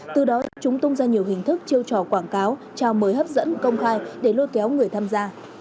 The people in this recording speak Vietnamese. từ đó chúng tung ra nhiều hình thức chiêu trò quảng cáo trao mời hấp dẫn công khai để lôi kéo người tham gia